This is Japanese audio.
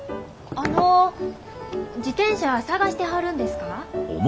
あの自転車探してはるんですか？